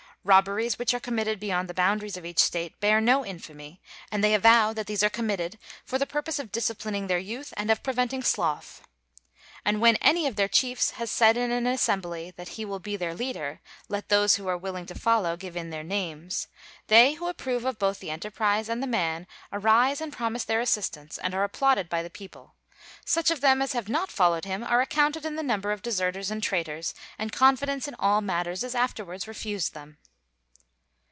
Robberies which are committed beyond the boundaries of each State bear no infamy, and they avow that these are committed for the purpose of disciplining their youth and of preventing sloth. And when any of their chiefs has said in an assembly that "he will be their leader; let those who are willing to follow, give in their names," they who approve of both the enterprise and the man arise and promise their assistance and are applauded by the people; such of them as have not followed him are accounted in the number of deserters and traitors, and confidence in all matters is afterwards refused them.